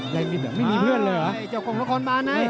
ไม่มีเพื่อนเลยหรอ